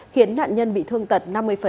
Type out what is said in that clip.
khiến nạn nhân bị thương tật năm mươi